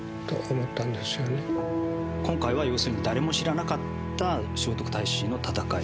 今回は要するに誰も知らなかった聖徳太子の闘い。